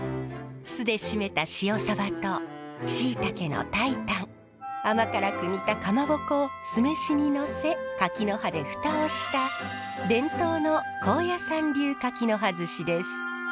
酢で締めた塩サバとシイタケの炊いたん甘辛く煮たかまぼこを酢飯にのせ柿の葉でふたをした伝統の高野山流柿の葉ずしです。